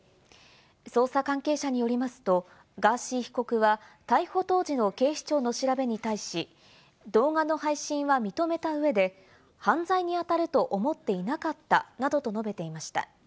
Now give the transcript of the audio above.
捜査関係者によりますと、ガーシー被告は、逮捕当時の警視庁の調べに対し、動画の配信は認めた上で、犯罪にあたると思っていなかったなどと述べていました。